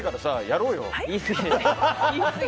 やろうよ。